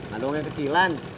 gak ada yang kecilan